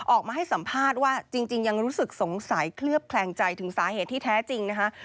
ออกมาให้สัมภาษณ์ว่าจริงยังรู้สึกสงสัยเคลือบแคลงใจถึงสาเหตุที่แท้จริงนะคะ